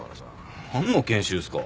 何の研修っすか？